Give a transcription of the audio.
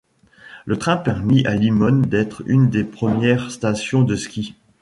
Le train permit à Limone d'être une des premières stations de ski.